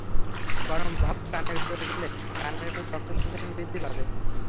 গরম ভাঁপ কানের ভেতরে গেলে কানের ভেতরে রক্ত সঞ্চালন বৃদ্ধি পাবে।